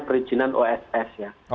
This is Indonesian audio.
perizinan oss ya